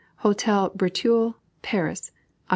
HOTEL BRETEUIL, PARIS, _Oct.